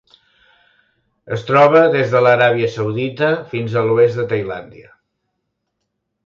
Es troba des de l'Aràbia Saudita fins a l'oest de Tailàndia.